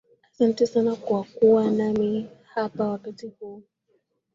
Asante sana kwa kuwa nami hapa wakati hu